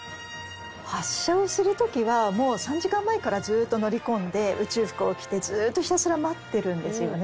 発射をする時はもう３時間前からずっと乗り込んで宇宙服を着てずっとひたすら待ってるんですよね。